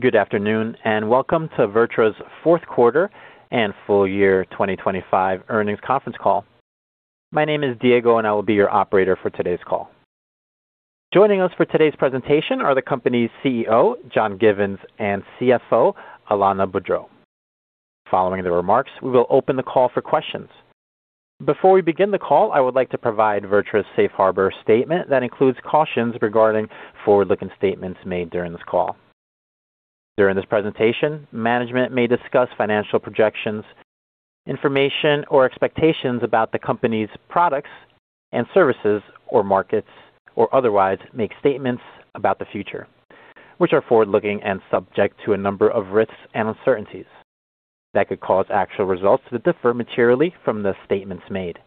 Good afternoon, and welcome to VirTra's fourth quarter and full-year 2025 earnings conference call. My name is Diego and I will be your operator for today's call. Joining us for today's presentation are the company's CEO, John Givens, and CFO, Alanna Boudreau. Following the remarks, we will open the call for questions. Before we begin the call, I would like to provide VirTra's safe harbor statement that includes cautions regarding forward-looking statements made during this call. During this presentation, management may discuss financial projections, information, or expectations about the company's products and services or markets, or otherwise make statements about the future, which are forward-looking and subject to a number of risks and uncertainties that could cause actual results to differ materially from the statements made.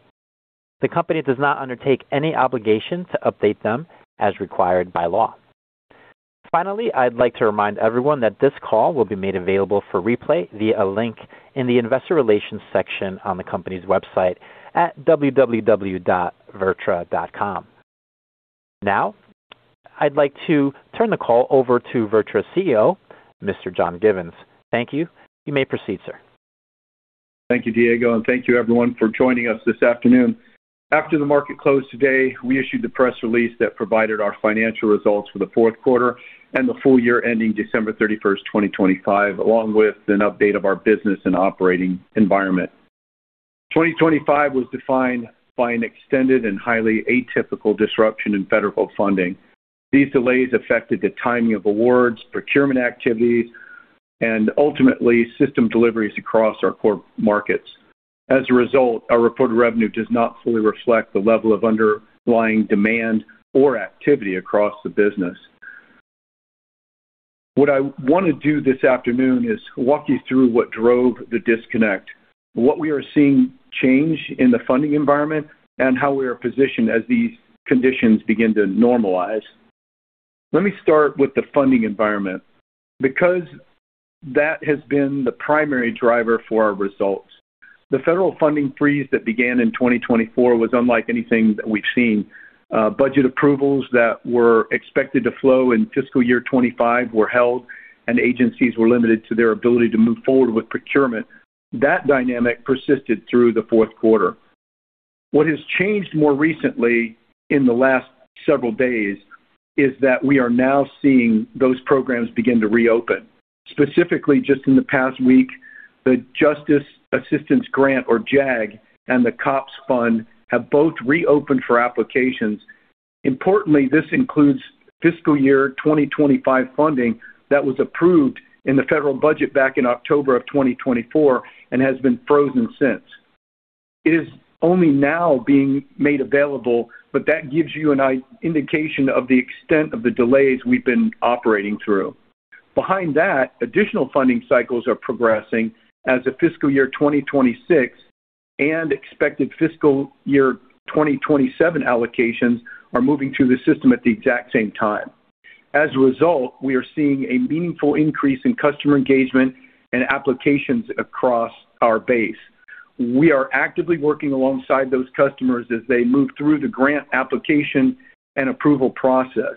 The company does not undertake any obligation to update them as required by law. Finally, I'd like to remind everyone that this call will be made available for replay via a link in the investor relations section on the company's website at www.virtra.com. Now, I'd like to turn the call over to VirTra's CEO, Mr. John Givens. Thank you. You may proceed, sir. Thank you, Diego, and thank you everyone for joining us this afternoon. After the market closed today, we issued the press release that provided our financial results for the fourth quarter and the full-year ending December 31, 2025, along with an update of our business and operating environment. 2025 was defined by an extended and highly atypical disruption in federal funding. These delays affected the timing of awards, procurement activities, and ultimately system deliveries across our core markets. As a result, our reported revenue does not fully reflect the level of underlying demand or activity across the business. What I want to do this afternoon is walk you through what drove the disconnect, what we are seeing change in the funding environment, and how we are positioned as these conditions begin to normalize. Let me start with the funding environment, because that has been the primary driver for our results. The federal funding freeze that began in 2024 was unlike anything that we've seen. Budget approvals that were expected to flow in fiscal year 2025 were held, and agencies were limited to their ability to move forward with procurement. That dynamic persisted through the fourth quarter. What has changed more recently in the last several days is that we are now seeing those programs begin to reopen. Specifically, just in the past week, the Justice Assistance Grant, or JAG, and the COPS Fund have both reopened for applications. Importantly, this includes fiscal year 2025 funding that was approved in the federal budget back in October of 2024 and has been frozen since. It is only now being made available, but that gives you an indication of the extent of the delays we've been operating through. Behind that, additional funding cycles are progressing as the fiscal year 2026 and expected fiscal year 2027 allocations are moving through the system at the exact same time. As a result, we are seeing a meaningful increase in customer engagement and applications across our base. We are actively working alongside those customers as they move through the grant application and approval process.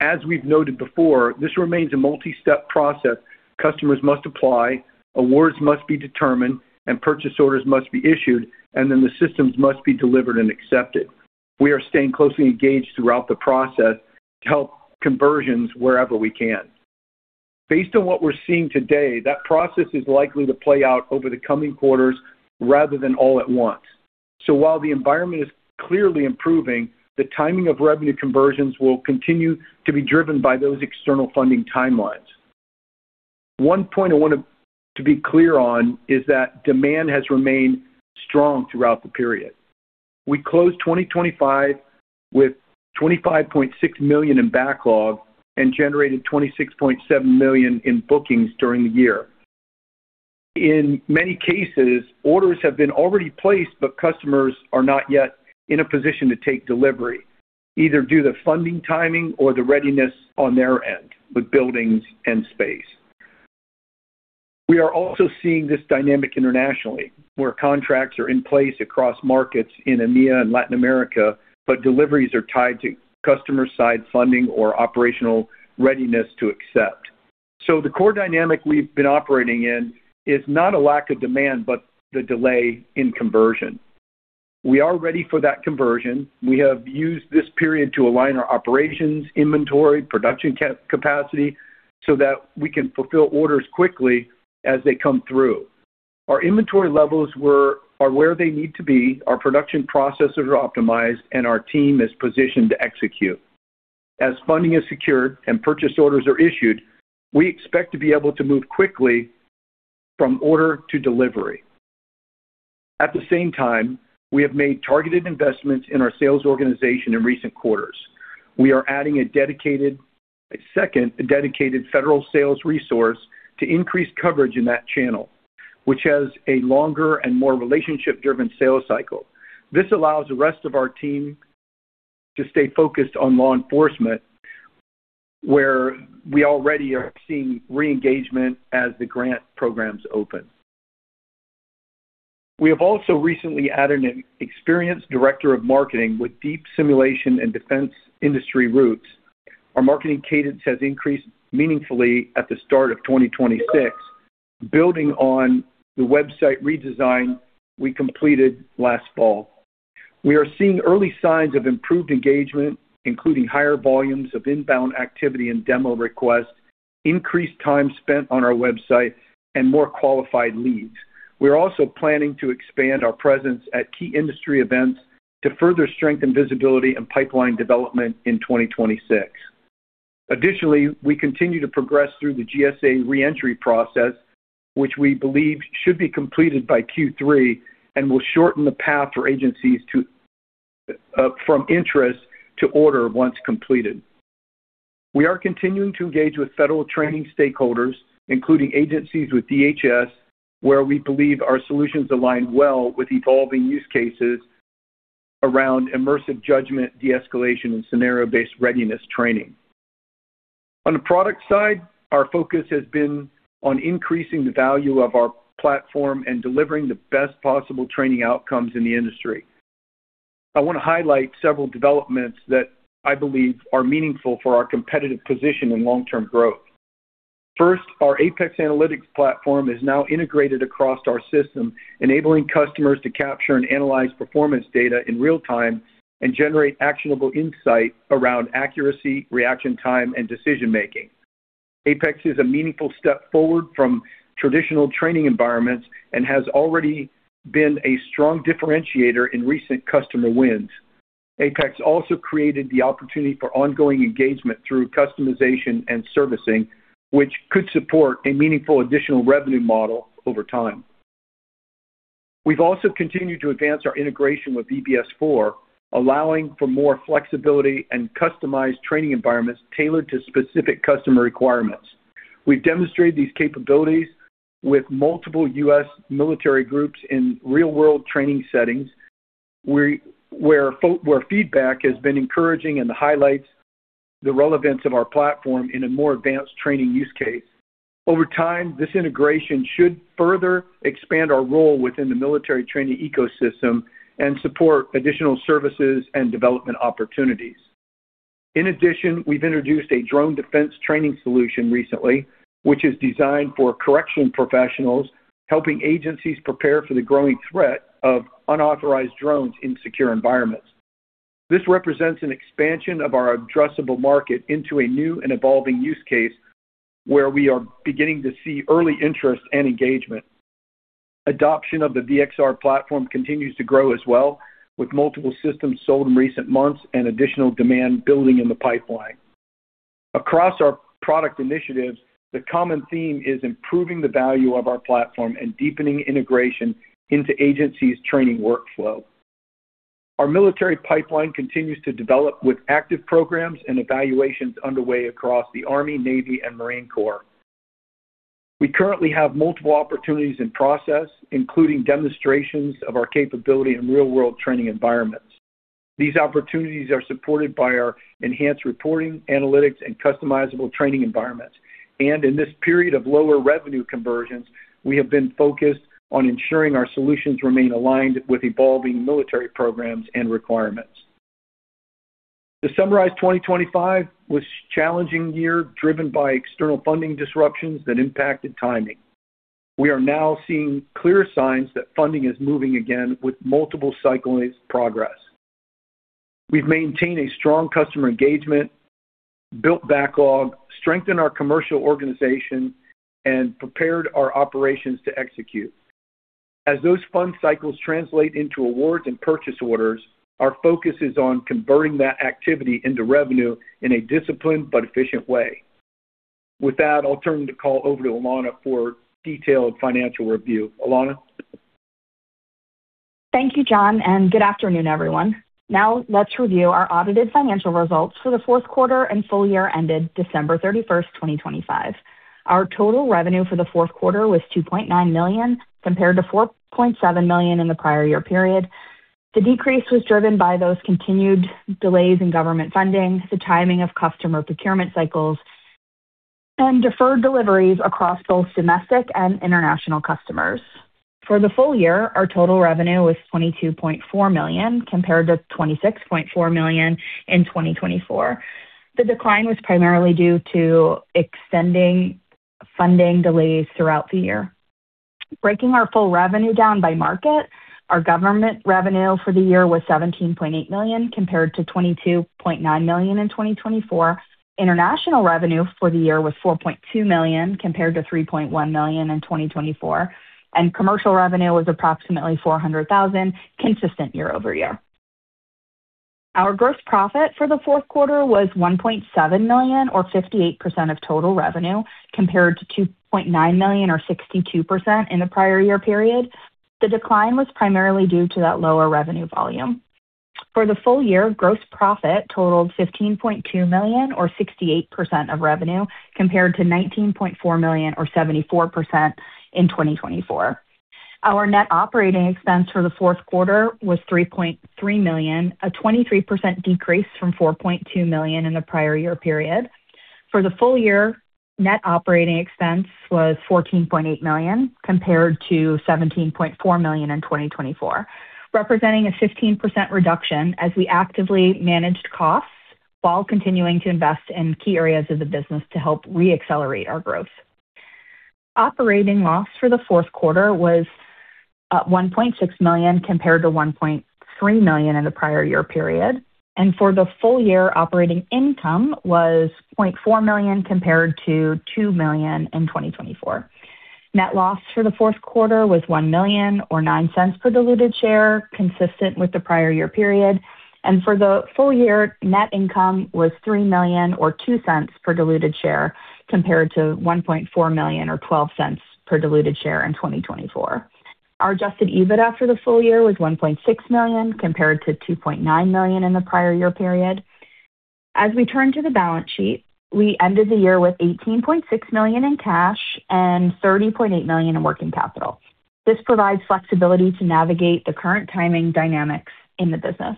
As we've noted before, this remains a multi-step process. Customers must apply, awards must be determined, and purchase orders must be issued, and then the systems must be delivered and accepted. We are staying closely engaged throughout the process to help conversions wherever we can. Based on what we're seeing today, that process is likely to play out over the coming quarters rather than all at once. While the environment is clearly improving, the timing of revenue conversions will continue to be driven by those external funding timelines. One point I want to be clear on is that demand has remained strong throughout the period. We closed 2025 with $25.6 million in backlog and generated $26.7 million in bookings during the year. In many cases, orders have been already placed, but customers are not yet in a position to take delivery, either due to funding timing or the readiness on their end with buildings and space. We are also seeing this dynamic internationally, where contracts are in place across markets in EMEA and Latin America, but deliveries are tied to customer side funding or operational readiness to accept. The core dynamic we've been operating in is not a lack of demand, but the delay in conversion. We are ready for that conversion. We have used this period to align our operations, inventory, production capacity so that we can fulfill orders quickly as they come through. Our inventory levels were, are where they need to be. Our production processes are optimized and our team is positioned to execute. As funding is secured and purchase orders are issued, we expect to be able to move quickly from order to delivery. At the same time, we have made targeted investments in our sales organization in recent quarters. We are adding a second dedicated federal sales resource to increase coverage in that channel, which has a longer and more relationship-driven sales cycle. This allows the rest of our team to stay focused on law enforcement, where we already are seeing re-engagement as the grant programs open. We have also recently added an experienced director of marketing with deep simulation and defense industry roots. Our marketing cadence has increased meaningfully at the start of 2026, building on the website redesign we completed last fall. We are seeing early signs of improved engagement, including higher volumes of inbound activity and demo requests, increased time spent on our website, and more qualified leads. We are also planning to expand our presence at key industry events to further strengthen visibility and pipeline development in 2026. Additionally, we continue to progress through the GSA re-entry process, which we believe should be completed by Q3 and will shorten the path for agencies to, from interest to order once completed. We are continuing to engage with federal training stakeholders, including agencies with DHS, where we believe our solutions align well with evolving use cases around immersive judgment, de-escalation, and scenario-based readiness training. On the product side, our focus has been on increasing the value of our platform and delivering the best possible training outcomes in the industry. I want to highlight several developments that I believe are meaningful for our competitive position and long-term growth. First, our APEX analytics platform is now integrated across our system, enabling customers to capture and analyze performance data in real time and generate actionable insight around accuracy, reaction time, and decision making. APEX is a meaningful step forward from traditional training environments and has already been a strong differentiator in recent customer wins. APEX also created the opportunity for ongoing engagement through customization and servicing, which could support a meaningful additional revenue model over time. We've also continued to advance our integration with VBS4, allowing for more flexibility and customized training environments tailored to specific customer requirements. We've demonstrated these capabilities with multiple U.S. military groups in real-world training settings where feedback has been encouraging and highlights the relevance of our platform in a more advanced training use case. Over time, this integration should further expand our role within the military training ecosystem and support additional services and development opportunities. In addition, we've introduced a drone defense training solution recently, which is designed for correctional professionals, helping agencies prepare for the growing threat of unauthorized drones in secure environments. This represents an expansion of our addressable market into a new and evolving use case where we are beginning to see early interest and engagement. Adoption of the V-XR platform continues to grow as well, with multiple systems sold in recent months and additional demand building in the pipeline. Across our product initiatives, the common theme is improving the value of our platform and deepening integration into agencies' training workflow. Our military pipeline continues to develop with active programs and evaluations underway across the Army, Navy and Marine Corps. We currently have multiple opportunities in process, including demonstrations of our capability in real-world training environments. These opportunities are supported by our enhanced reporting, analytics, and customizable training environments. In this period of lower revenue conversions, we have been focused on ensuring our solutions remain aligned with evolving military programs and requirements. To summarize, 2025 was challenging year driven by external funding disruptions that impacted timing. We are now seeing clear signs that funding is moving again with multiple cycle progress. We've maintained a strong customer engagement, built backlog, strengthened our commercial organization, and prepared our operations to execute. As those fund cycles translate into awards and purchase orders, our focus is on converting that activity into revenue in a disciplined but efficient way. With that, I'll turn the call over to Alanna for detailed financial review. Alanna? Thank you, John, and good afternoon, everyone. Now let's review our audited financial results for the fourth quarter and full-year ended December 31, 2025. Our total revenue for the fourth quarter was $2.9 million, compared to $4.7 million in the prior year period. The decrease was driven by those continued delays in government funding, the timing of customer procurement cycles, and deferred deliveries across both domestic and international customers. For the full-year, our total revenue was $22.4 million, compared to $26.4 million in 2024. The decline was primarily due to extended funding delays throughout the year. Breaking our full-year revenue down by market, our government revenue for the year was $17.8 million compared to $22.9 million in 2024. International revenue for the year was $4.2 million compared to $3.1 million in 2024. Commercial revenue was approximately $400,000 consistent year-over-year. Our gross profit for the fourth quarter was $1.7 million or 58% of total revenue, compared to $2.9 million or 62% in the prior year period. The decline was primarily due to that lower revenue volume. For the full-year, gross profit totaled $15.2 million or 68% of revenue, compared to $19.4 million or 74% in 2024. Our net operating expense for the fourth quarter was $3.3 million, a 23% decrease from $4.2 million in the prior year period. For the full-year, net operating expense was $14.8 million compared to $17.4 million in 2024, representing a 15% reduction as we actively managed costs while continuing to invest in key areas of the business to help re-accelerate our growth. Operating loss for the fourth quarter was $1.6 million compared to $1.3 million in the prior year period. For the full-year, operating income was $0.4 million compared to $2 million in 2024. Net loss for the fourth quarter was $1 million or $0.09 per diluted share, consistent with the prior year period. For the full-year, net income was $3 million or $0.02 per diluted share, compared to $1.4 million or $0.12 per diluted share in 2024. Our adjusted EBITDA after the full-year was $1.6 million compared to $2.9 million in the prior year period. As we turn to the balance sheet, we ended the year with $18.6 million in cash and $30.8 million in working capital. This provides flexibility to navigate the current timing dynamics in the business.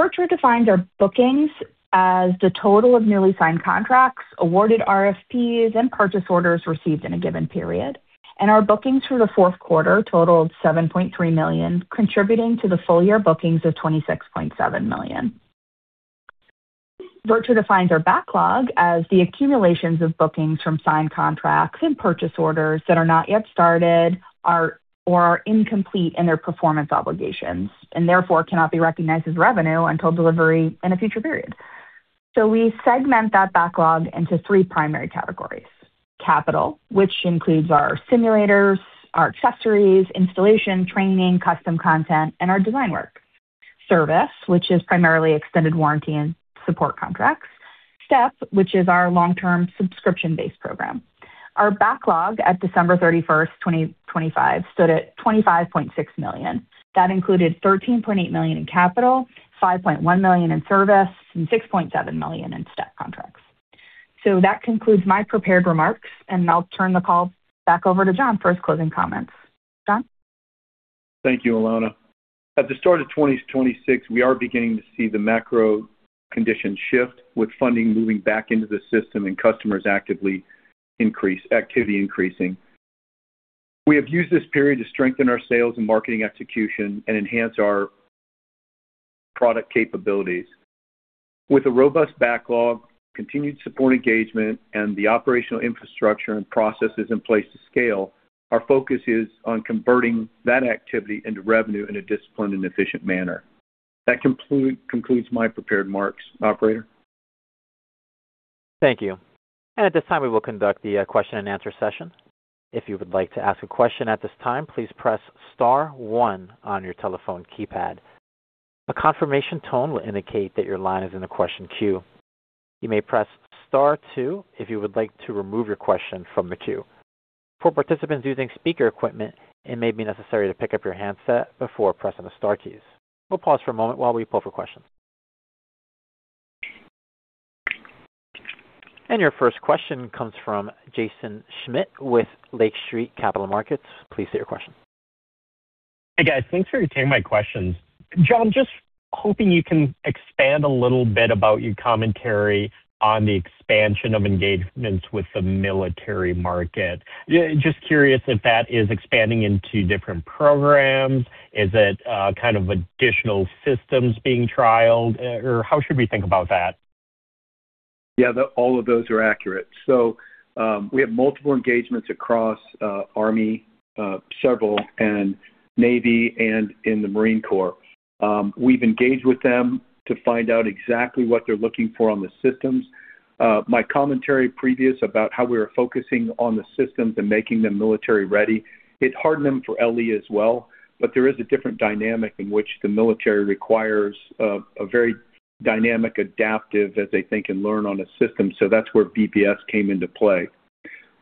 VirTra defines our bookings as the total of newly signed contracts, awarded RFPs, and purchase orders received in a given period. Our bookings for the fourth quarter totaled $7.3 million, contributing to the full-year bookings of $26.7 million. VirTra defines our backlog as the accumulations of bookings from signed contracts and purchase orders that are not yet started or are incomplete in their performance obligations, and therefore cannot be recognized as revenue until delivery in a future period. We segment that backlog into three primary categories. Capital, which includes our simulators, our accessories, installation, training, custom content, and our design work. Service, which is primarily extended warranty and support contracts. STEP, which is our long-term subscription-based program. Our backlog at December 31, 2025 stood at $25.6 million. That included $13.8 million in capital, $5.1 million in service, and $6.7 million in STEP contracts. That concludes my prepared remarks, and I'll turn the call back over to John for his closing comments. John? Thank you, Alanna. At the start of 2026, we are beginning to see the macro conditions shift with funding moving back into the system and customers actively increasing activity. We have used this period to strengthen our sales and marketing execution and enhance our product capabilities. With a robust backlog, continued support engagement, and the operational infrastructure and processes in place to scale, our focus is on converting that activity into revenue in a disciplined and efficient manner. That concludes my prepared remarks. Operator. Thank you. At this time, we will conduct the question-and-answer session. If you would like to ask a question at this time, please press star one on your telephone keypad. A confirmation tone will indicate that your line is in the question queue. You may press star two if you would like to remove your question from the queue. For participants using speaker equipment, it may be necessary to pick up your handset before pressing the star keys. We'll pause for a moment while we poll for questions. Your first question comes from Jaeson Schmidt with Lake Street Capital Markets. Please state your question. Hey, guys. Thanks for taking my questions. John, just hoping you can expand a little bit about your commentary on the expansion of engagements with the military market. Yeah, just curious if that is expanding into different programs. Is it kind of additional systems being trialed? How should we think about that? Yeah, all of those are accurate. We have multiple engagements across Army, several, and Navy and in the Marine Corps. We've engaged with them to find out exactly what they're looking for on the systems. My commentary previous about how we were focusing on the systems and making them military ready, it hardened them for LE as well. There is a different dynamic in which the military requires a very dynamic, adaptive, as they think and learn on a system. That's where VBS came into play.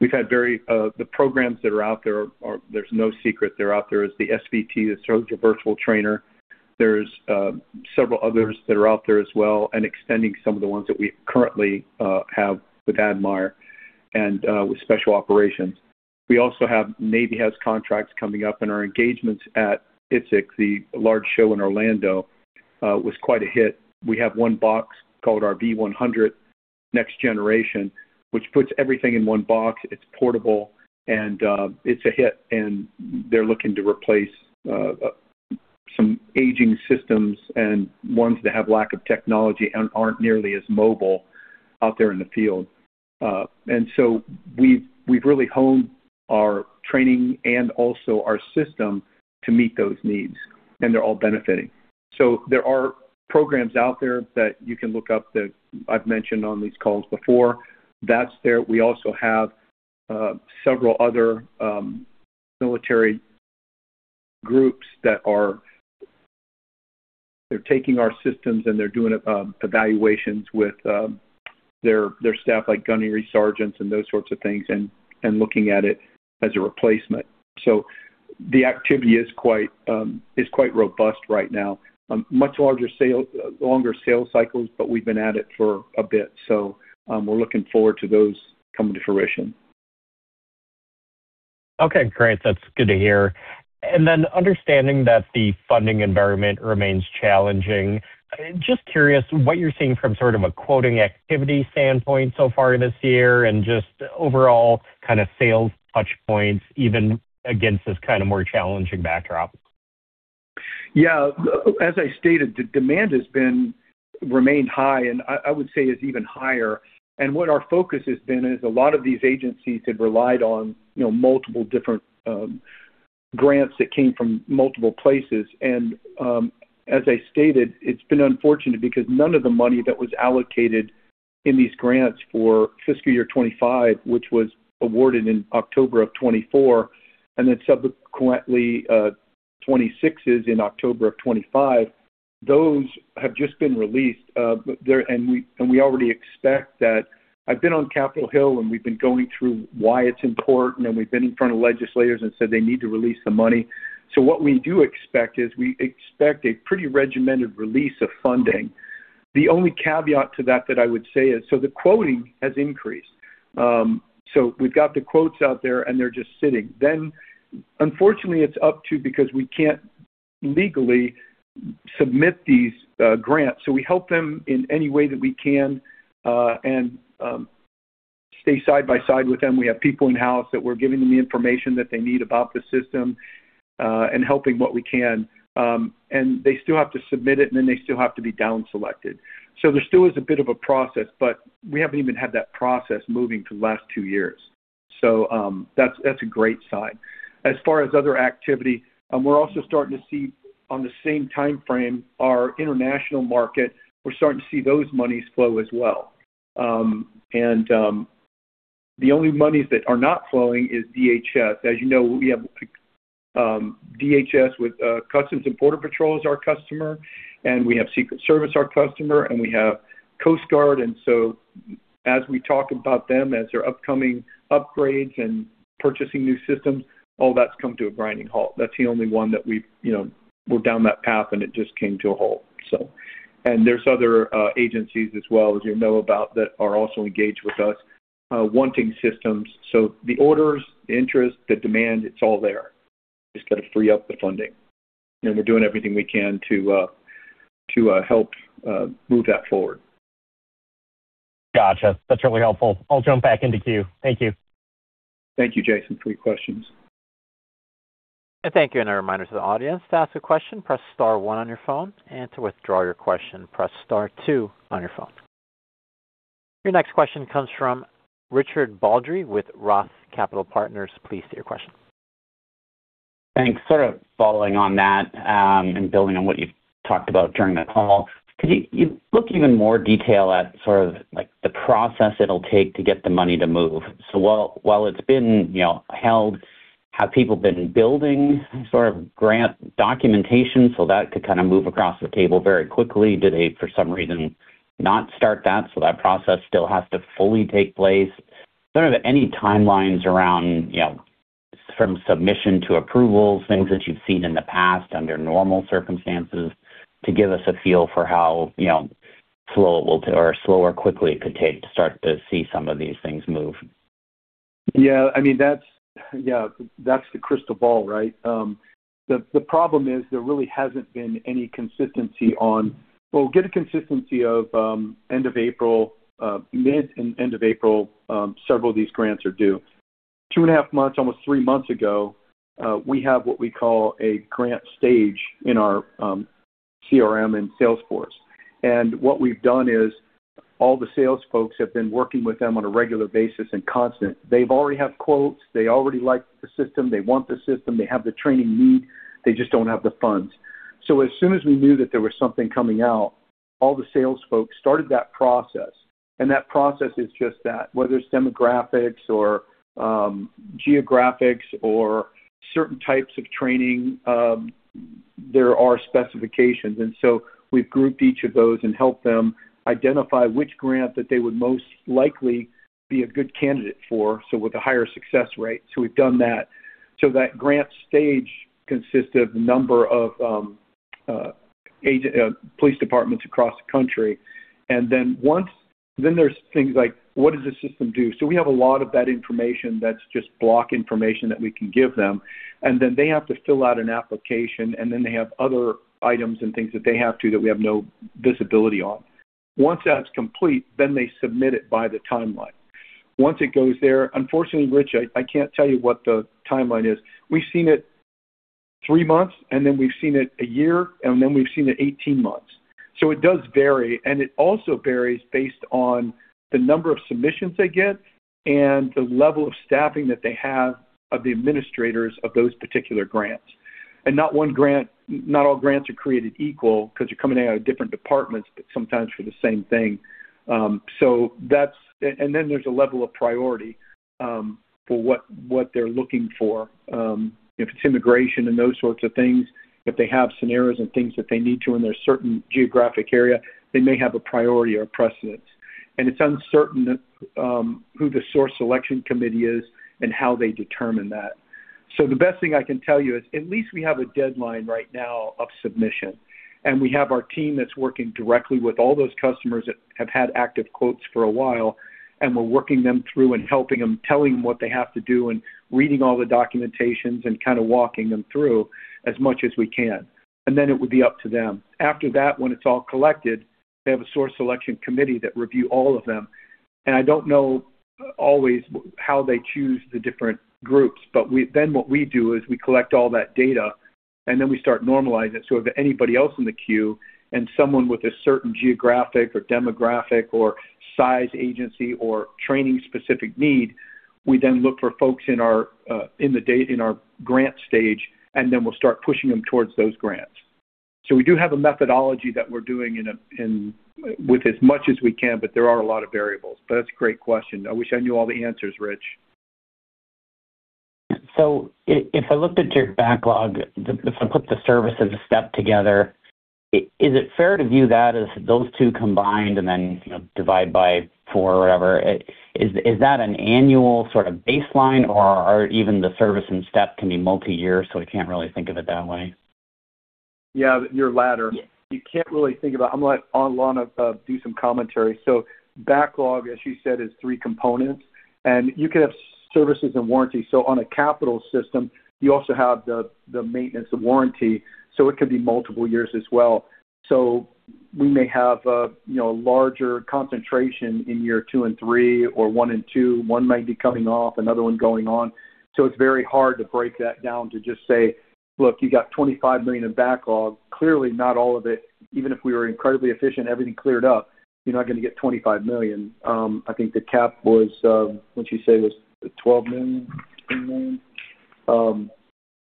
The programs that are out there. There's no secret they're out there. There's the SVT, the Soldier Virtual Trainer. There's several others that are out there as well and extending some of the ones that we currently have with ADMIRE and with special operations. We also have Navy has contracts coming up in our engagements at I/ITSEC, the large show in Orlando, was quite a hit. We have one box called our V100 Next Generation, which puts everything in one box. It's portable, and it's a hit. They're looking to replace some aging systems and ones that have lack of technology and aren't nearly as mobile out there in the field. We've really honed our training and also our system to meet those needs, and they're all benefiting. There are programs out there that you can look up that I've mentioned on these calls before. That's there. We also have several other military groups that are They're taking our systems, and they're doing evaluations with their staff, like gunnery sergeants and those sorts of things, and looking at it as a replacement. The activity is quite robust right now. Much larger, longer sale cycles, but we've been at it for a bit, so we're looking forward to those coming to fruition. Okay, great. That's good to hear. Understanding that the funding environment remains challenging, just curious what you're seeing from sort of a quoting activity standpoint so far this year and just overall kind of sales touch points even against this kind of more challenging backdrop. Yeah. As I stated, the demand has remained high, and I would say is even higher. What our focus has been is a lot of these agencies have relied on, you know, multiple different grants that came from multiple places. As I stated, it's been unfortunate because none of the money that was allocated in these grants for fiscal year 2025, which was awarded in October of 2024, and then subsequently, 2026's in October of 2025, those have just been released. We already expect that. I've been on Capitol Hill, and we've been going through why it's important, and we've been in front of legislators and said they need to release the money. What we do expect is we expect a pretty regimented release of funding. The only caveat to that I would say is the quoting has increased. We've got the quotes out there, and they're just sitting. Unfortunately, it's up to them because we can't legally submit these grants. We help them in any way that we can and stay side by side with them. We have people in-house that we're giving them the information that they need about the system and helping with what we can. They still have to submit it, and then they still have to be down selected. There still is a bit of a process, but we haven't even had that process moving for the last two years. That's a great sign. As far as other activity, we're also starting to see on the same timeframe, our international market, we're starting to see those monies flow as well. The only monies that are not flowing is DHS. As you know, we have DHS with Customs and Border Protection as our customer, and we have Secret Service our customer, and we have Coast Guard. As we talk about them, as their upcoming upgrades and purchasing new systems, all that's come to a grinding halt. That's the only one that we've, we're down that path, and it just came to a halt. There's other agencies as well, as you know about, that are also engaged with us wanting systems. The orders, the interest, the demand, it's all there. Just got to free up the funding. We're doing everything we can to help move that forward. Gotcha. That's really helpful. I'll jump back into queue. Thank you. Thank you, Jaeson, for your questions. Thank you. A reminder to the audience, to ask a question, press star one on your phone. To withdraw your question, press star two on your phone. Your next question comes from Richard Baldry with Roth Capital Partners. Please state your question. Thanks. Sort of following on that, and building on what you talked about during the call. Can you look even more detail at sort of like the process it'll take to get the money to move? So while it's been, you know, held, have people been building sort of grant documentation so that could kind of move across the table very quickly? Did they, for some reason, not start that, so that process still has to fully take place? Are there any timelines around, you know, from submission to approval, things that you've seen in the past under normal circumstances to give us a feel for how, you know, slow or quickly it could take to start to see some of these things move? Yeah. I mean, that's the crystal ball, right? The problem is there really hasn't been any consistency. We'll get a consistency of end of April, mid and end of April. Several of these grants are due. Two and a half months, almost three months ago, we have what we call a grant stage in our CRM and Salesforce. What we've done is all the sales folks have been working with them on a regular basis and constant. They've already have quotes. They already like the system. They want the system. They have the training need. They just don't have the funds. As soon as we knew that there was something coming out, all the sales folks started that process. That process is just that. Whether it's demographics or geographics or certain types of training, there are specifications. We've grouped each of those and helped them identify which grant that they would most likely be a good candidate for, so with a higher success rate. We've done that. That grant stage consists of a number of police departments across the country. There's things like, what does the system do? We have a lot of that information that's just block information that we can give them. They have to fill out an application, and then they have other items and things that they have to that we have no visibility on. Once that's complete, then they submit it by the timeline. Once it goes there. Unfortunately, Rich I can't tell you what the timeline is. We've seen it three months, and then we've seen it a year, and then we've seen it 18 months. It does vary, and it also varies based on the number of submissions they get and the level of staffing that they have of the administrators of those particular grants. Not all grants are created equal because you're coming out of different departments, but sometimes for the same thing. Then there's a level of priority for what they're looking for. If it's immigration and those sorts of things, if they have scenarios and things that they need to in their certain geographic area, they may have a priority or precedence. It's uncertain who the source selection committee is and how they determine that. The best thing I can tell you is at least we have a deadline right now of submission. We have our team that's working directly with all those customers that have had active quotes for a while, and we're working them through and helping them, telling them what they have to do and reading all the documentation and kinda walking them through as much as we can. Then it would be up to them. After that, when it's all collected, they have a source selection committee that review all of them. I don't know always how they choose the different groups, but then what we do is we collect all that data, and then we start normalizing it. If anybody else in the queue and someone with a certain geographic or demographic or size agency or training-specific need, we then look for folks in our grant stage, and then we'll start pushing them towards those grants. We do have a methodology that we're doing in as much as we can, but there are a lot of variables. That's a great question. I wish I knew all the answers, Rich. If I looked at your backlog, if I put the service and STEP together, is it fair to view that as those two combined and then, you know, divide by four or whatever? Is that an annual sort of baseline or even the service and STEP can be multi-year, so we can't really think of it that way? Yeah, your latter. You can't really think about it. I'll let Alanna do some commentary. Backlog, as you said, is three components. You could have services and warranty. On a capital system, you also have the maintenance, the warranty, so it could be multiple years as well. We may have, you know, a larger concentration in year two and three or one and two. One might be coming off, another one going on. It's very hard to break that down to just say, "Look, you got $25 million in backlog." Clearly, not all of it. Even if we were incredibly efficient, everything cleared up, you're not gonna get $25 million. I think the cap was, what'd you say it was, $12 million, $10 million?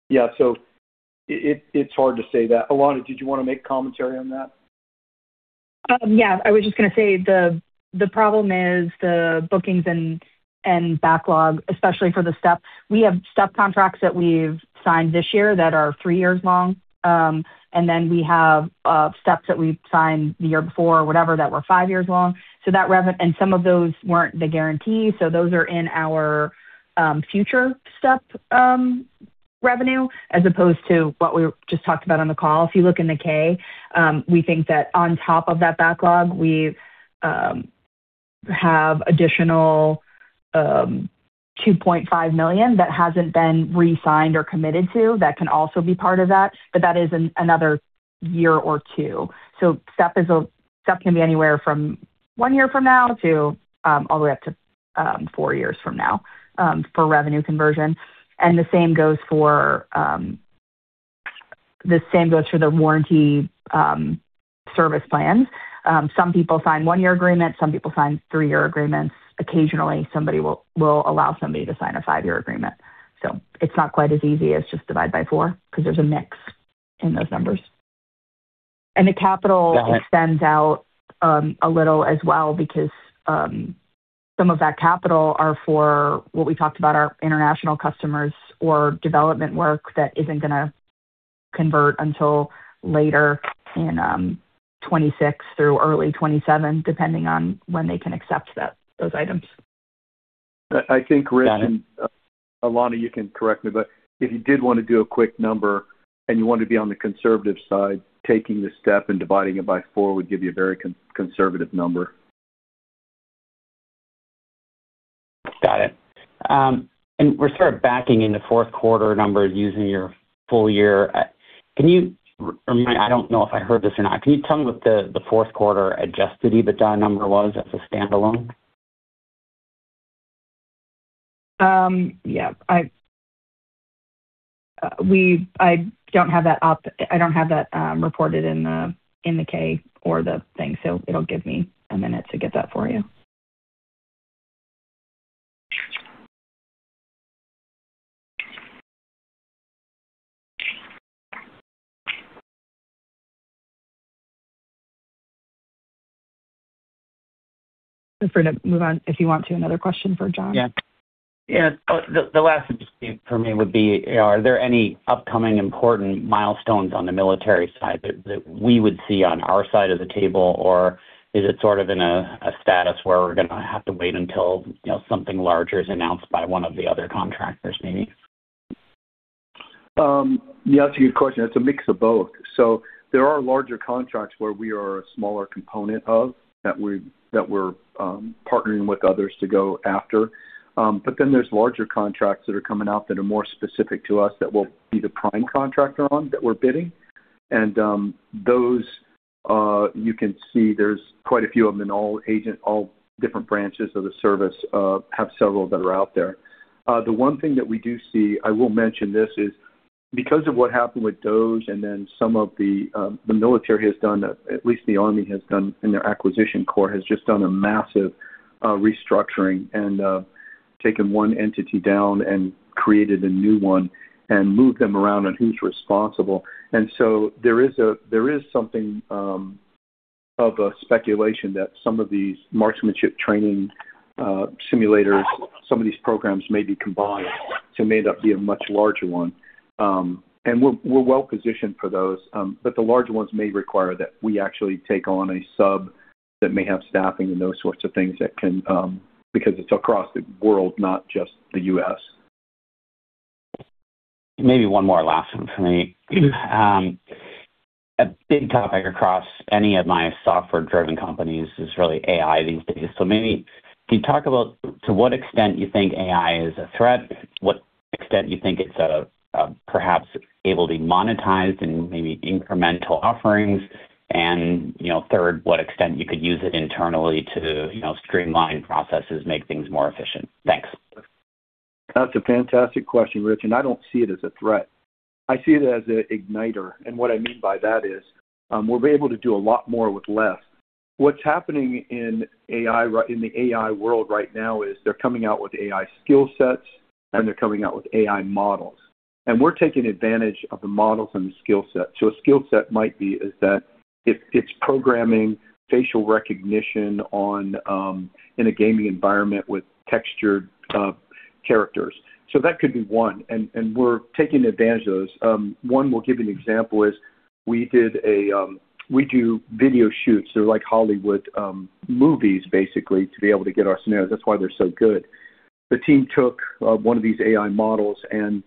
Yeah, so it's hard to say that. Alanna, did you wanna make commentary on that? Yeah. I was just gonna say the problem is the bookings and backlog, especially for the STEP. We have STEP contracts that we've signed this year that are three years long. We have steps that we've signed the year before or whatever that were five years long. Some of those weren't the guarantee, so those are in our future STEP revenue as opposed to what we just talked about on the call. If you look in the K, we think that on top of that backlog, we have additional $2.5 million that hasn't been re-signed or committed to. That can also be part of that, but that is another year or two. Step can be anywhere from one year from now to all the way up to four years from now for revenue conversion. The same goes for the warranty service plans. Some people sign one-year agreements, some people sign three-year agreements. Occasionally, somebody will allow somebody to sign a five-year agreement. It's not quite as easy as just divide by four because there's a mix in those numbers. The capital extends out a little as well because some of that capital are for what we talked about, our international customers or development work that isn't gonna convert until later in 2026 through early 2027, depending on when they can accept those items. I think, Richard, and Alanna, you can correct me, but if you did want to do a quick number and you want to be on the conservative side, taking the STEP and dividing it by four would give you a very conservative number. Got it. We're sort of backing in the fourth quarter numbers using your full-year. I don't know if I heard this or not. Can you tell me what the fourth quarter adjusted EBITDA number was as a standalone? Yeah. I don't have that up. I don't have that reported in the K or the thing, so it'll give me a minute to get that for you. Feel free to move on if you want to another question for John. Yeah. The last one just for me would be, are there any upcoming important milestones on the military side that we would see on our side of the table? Or is it sort of in a status where we're gonna have to wait until, you know, something larger is announced by one of the other contractors maybe? Yeah, that's a good question. It's a mix of both. There are larger contracts where we are a smaller component of that we're partnering with others to go after. But then there's larger contracts that are coming out that are more specific to us that we'll be the prime contractor on that we're bidding. Those, you can see there's quite a few of them in all different branches of the service have several that are out there. The one thing that we do see, I will mention this, is because of what happened with DOJ and then some of the military has done, at least the army has done in their acquisition corps, has just done a massive restructuring and taken one entity down and created a new one and moved them around on who's responsible. There is something of a speculation that some of these marksmanship training simulators, some of these programs may be combined to end up being a much larger one. And we're well-positioned for those. But the larger ones may require that we actually take on a subcontract that may have staffing and those sorts of things that can because it's across the world, not just the U.S. Maybe one more last one for me. A big topic across any of my software-driven companies is really AI these days. Maybe can you talk about to what extent you think AI is a threat, what extent you think it's perhaps able to be monetized in maybe incremental offerings, and, you know, third, what extent you could use it internally to, you know, streamline processes, make things more efficient. Thanks. That's a fantastic question, Rich, and I don't see it as a threat. I see it as an igniter. What I mean by that is we'll be able to do a lot more with less. What's happening in the AI world right now is they're coming out with AI skill sets, and they're coming out with AI models. We're taking advantage of the models and the skill set. A skill set might be that it's programming facial recognition in a gaming environment with textured characters. That could be one. We're taking advantage of those. We'll give you an example. We do video shoots. They're like Hollywood movies, basically, to be able to get our scenarios. That's why they're so good. The team took one of these AI models, and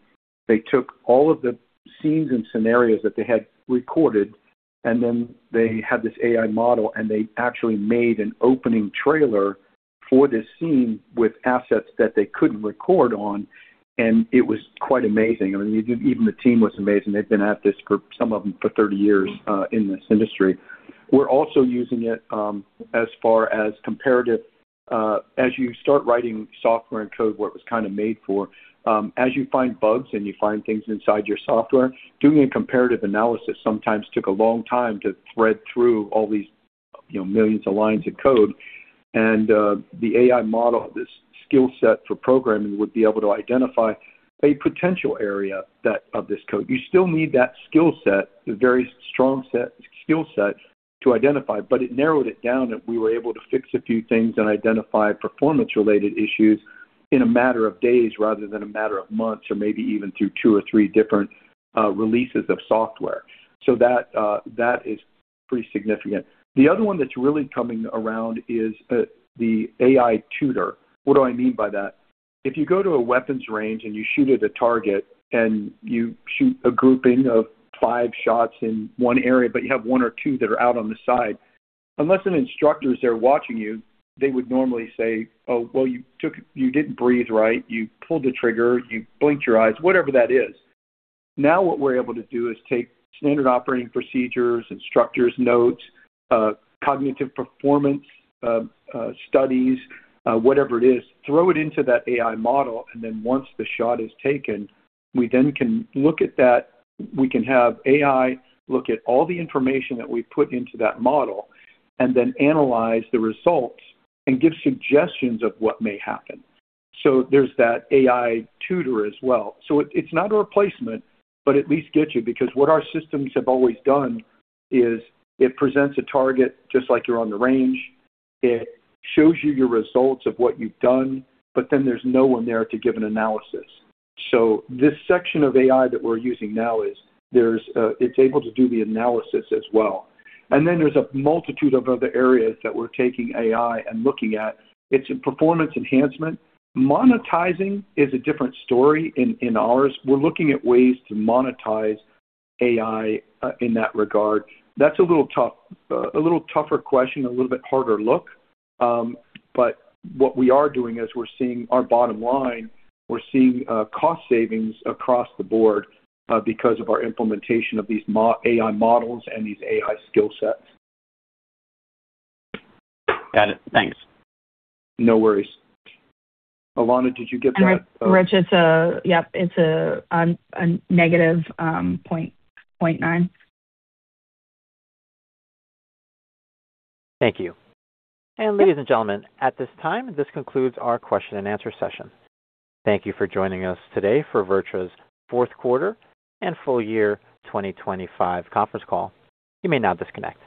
they took all of the scenes and scenarios that they had recorded, and then they had this AI model, and they actually made an opening trailer for this scene with assets that they couldn't record on, and it was quite amazing. I mean even the team was amazed, and they've been at this for, some of them, for 30 years in this industry. We're also using it as far as comparative, as you start writing software and code, what it was kinda made for, as you find bugs and you find things inside your software, doing a comparative analysis sometimes took a long time to thread through all these, you know, millions of lines of code. The AI model, this skill set for programming, would be able to identify a potential area of this code. You still need that skill set, a very strong skill set to identify, but it narrowed it down and we were able to fix a few things and identify performance-related issues in a matter of days rather than a matter of months or maybe even through two or three different releases of software. That is pretty significant. The other one that's really coming around is the AI tutor. What do I mean by that? If you go to a weapons range and you shoot at a target and you shoot a grouping of five shots in one area, but you have one or two that are out on the side. Unless an instructor's there watching you, they would normally say, "Oh, well, you didn't breathe right. You pulled the trigger. You blinked your eyes." whatever that is. Now what we're able to do is take standard operating procedures, instructors' notes, cognitive performance studies, whatever it is, throw it into that AI model, and then once the shot is taken, we then can look at that. We can have AI look at all the information that we put into that model and then analyze the results and give suggestions of what may happen. There's that AI tutor as well. It's not a replacement, but at least gets you because what our systems have always done is it presents a target just like you're on the range. It shows you your results of what you've done, but then there's no one there to give an analysis. This section of AI that we're using now, it's able to do the analysis as well. There's a multitude of other areas that we're taking AI and looking at. It's in performance enhancement. Monetizing is a different story in ours. We're looking at ways to monetize AI in that regard. That's a little tough, a little tougher question, a little bit harder look. What we are doing is we're seeing our bottom line. We're seeing cost savings across the board because of our implementation of these AI models and these AI skill sets. Got it. Thanks. No worries. Alanna, did you get that? Rich, it's -0.9. Thank you. Ladies and gentlemen, at this time, this concludes our question and answer session. Thank you for joining us today for VirTra's fourth quarter and full-year 2025 conference call. You may now disconnect.